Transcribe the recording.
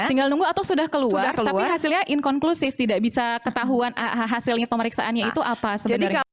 tinggal nunggu atau sudah keluar tapi hasilnya inkonklusif tidak bisa ketahuan hasilnya pemeriksaannya itu apa sebenarnya